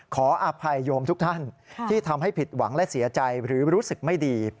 ขออภัยโยมทุกท่านที่ทำให้ผิดหวังและเสียใจหรือรู้สึกไม่ดี